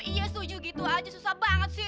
iya setuju gitu aja susah banget sih